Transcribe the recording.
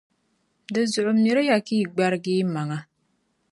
Dinzuɣu, miri ya ka yi gbargi yi maŋa,